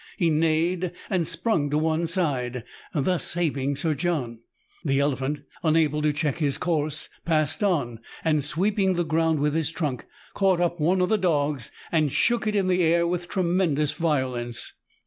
He neighed, and sprung to one side, thus saving Sir John. The elephant, unable to check his course, passed on, and sweeping the ground with his trunk, caught up one of the dogs, and shook it in the air with tremendous violence.